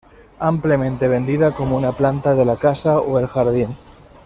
Ampliamente vendida como una planta de la casa o el jardín.